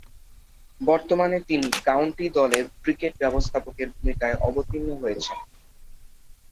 বর্তমানে তিনি কাউন্টি দলের ক্রিকেট ব্যবস্থাপকের ভূমিকায় অবতীর্ণ হয়েছেন।